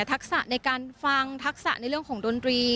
ทักษะในการฟังทักษะในเรื่องของดนตรี